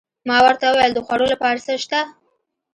ما ورته وویل: د خوړو لپاره څه شته؟